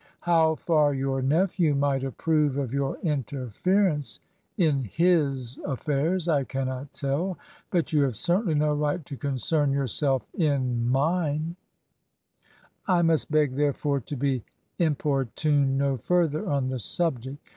... How far your nephew might approve of your interference in his affairs, I can not tell; but you have certainly no right to concern yourself in mine, I must beg, therefore, to be impor txmed no further on the subject.